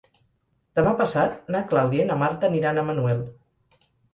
Demà passat na Clàudia i na Marta aniran a Manuel.